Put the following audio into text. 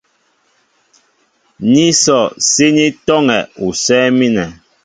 Ní sɔ síní tɔ́ŋɛ usɛ́ɛ́ mínɛ.